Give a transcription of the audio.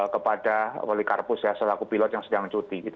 kepada polikarpus ya selaku pilot yang sedang cuti